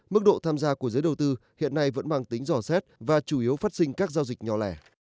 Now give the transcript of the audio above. mức độ tham gia của giới đầu tư hiện nay vẫn mang tính dò xét và chủ yếu phát sinh các giao dịch nhỏ lẻ